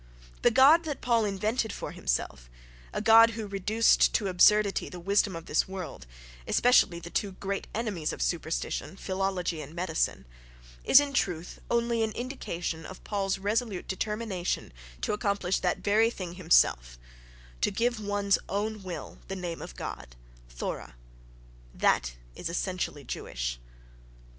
—The God that Paul invented for himself, a God who "reduced to absurdity" "the wisdom of this world" (especially the two great enemies of superstition, philology and medicine), is in truth only an indication of Paul's resolute determination to accomplish that very thing himself: to give one's own will the name of God, thora—that is essentially Jewish.